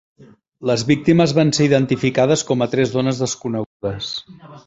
Les víctimes van ser identificades com a tres dones desconegudes.